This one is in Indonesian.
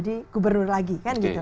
jadi gubernur lagi